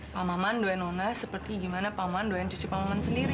pak maman doain nona seperti gimana pak maman doain cucu pak maman sendiri